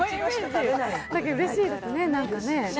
うれしいですね、なんかね。